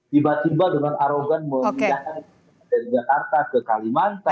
tiba tiba dengan arogan memindahkan dari jakarta ke kalimantan